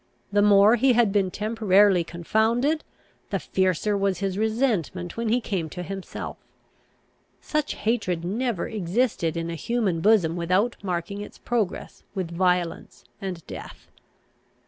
The more he had been temporarily confounded, the fiercer was his resentment when he came to himself. Such hatred never existed in a human bosom without marking its progress with violence and death. Mr.